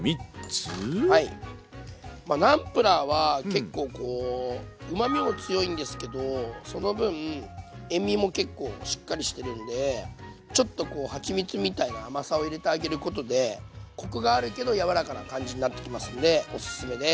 ナムプラーは結構こううまみも強いんですけどその分塩みも結構しっかりしてるんでちょっとこうはちみつみたいな甘さを入れてあげることでコクがあるけど柔らかな感じになってきますんでおすすめです。